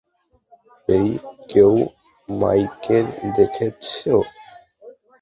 হেই, কেউ মেইকে দেখেছ?